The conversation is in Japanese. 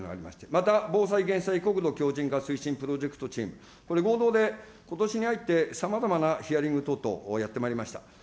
また、防災・減災・国土強じん化推進プロジェクトチーム、これ、合同でことしに入って、さまざまなヒアリング等々をやってまいりました。